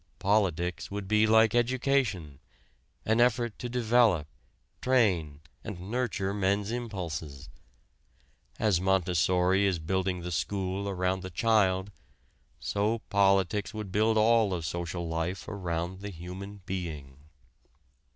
Politics would be like education an effort to develop, train and nurture men's impulses. As Montessori is building the school around the child, so politics would build all of social life around the human being.